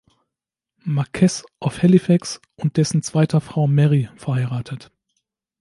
Marquess of Halifax und dessen zweiter Frau Mary verheiratet.